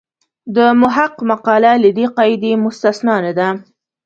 د محق مقاله له دې قاعدې مستثنا نه ده.